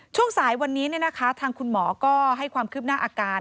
ช่วงสายวันนี้ทางคุณหมอก็ให้ความคืบหน้าอาการ